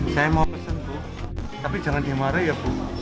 saya mau pesen bu tapi jangan dimarahi ya bu